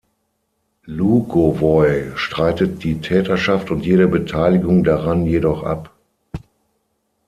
Lugowoi streitet die Täterschaft und jede Beteiligung daran jedoch ab.